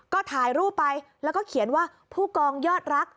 ก็ถ่ายรูปไปแล้วก็เขียนว่าผู้กองยอดรัก